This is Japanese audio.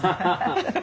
ハハハハッ